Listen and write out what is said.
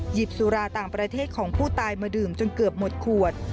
สุราต่างประเทศของผู้ตายมาดื่มจนเกือบหมดขวด